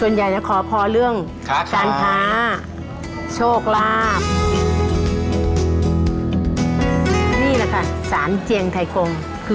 นี่แหละค่ะสารเจียงไทยกง